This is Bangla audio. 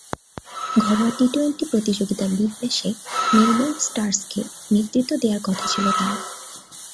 ঘরোয়া টি-টোয়েন্টি প্রতিযোগিতা বিগ ব্যাশে মেলবোর্ন স্টারসকে নেতৃত্ব দেওয়ার কথা ছিল তাঁর।